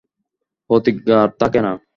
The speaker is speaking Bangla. প্রতিজ্ঞা আর থাকে না।